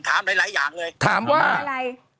ถามหลายอย่างเลย